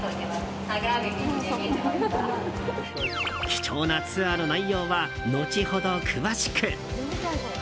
貴重なツアーの内容は後ほど、詳しく。